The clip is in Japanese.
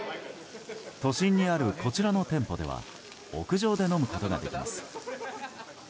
都心にあるこちらの店舗では屋上で飲むことができます。